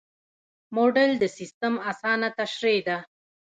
موډل د سیسټم اسانه تشریح ده.